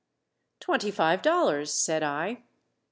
"Twenty five dollars," said I.